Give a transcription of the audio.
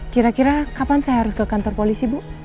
kira kira kapan saya harus ke kantor polisi bu